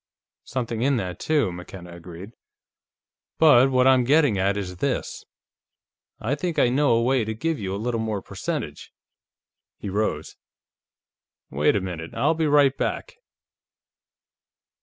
"Something in that, too," McKenna agreed. "But what I'm getting at is this: I think I know a way to give you a little more percentage." He rose. "Wait a minute; I'll be right back."